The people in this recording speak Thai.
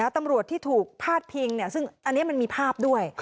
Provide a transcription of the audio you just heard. ตำรวจที่ถูกพาดพิงซึ่งอันนี้มันมีภาพด้วย